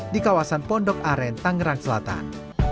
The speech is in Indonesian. di kawasan pondok aren tangerang selatan